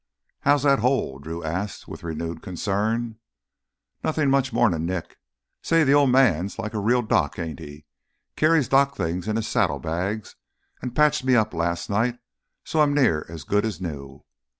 "How's that hole?" Drew asked with renewed concern. "Nothin' much more'n a nick. Say, th' Old Man's like a real doc, ain't he? Carries doc's things in his saddlebags an' patched me up last night so I'm near as good as new.